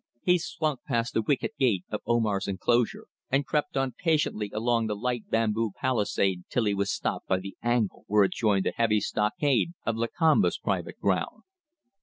He slunk past the wicket gate of Omar's enclosure, and crept on patiently along the light bamboo palisade till he was stopped by the angle where it joined the heavy stockade of Lakamba's private ground.